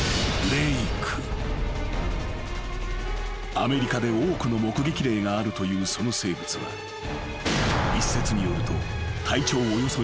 ［アメリカで多くの目撃例があるというその生物は一説によると］